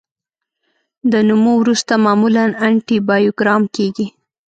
د نمو وروسته معمولا انټي بایوګرام کیږي.